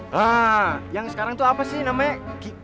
nah yang sekarang tuh apa sih namanya